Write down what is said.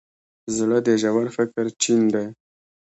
زړه د ژور فکر چین دی.